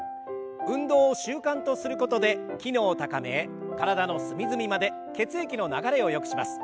運動を習慣とすることで機能を高め体の隅々まで血液の流れをよくします。